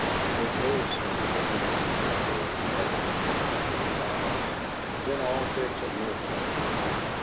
"It IS funny, isn't it?" said Joe, wiping the moisture from his eyes. Then all trace of mirth left him.